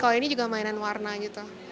kalau ini juga mainan warna gitu